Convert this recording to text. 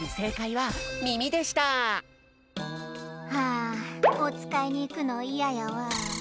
あおつかいにいくのイヤやわぁ。